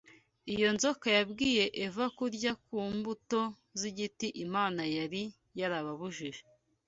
Iyo nzoka yabwiye Eva kurya ku mbuto z’igiti Imana yari yarababujije